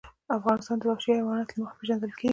افغانستان د وحشي حیواناتو له مخې پېژندل کېږي.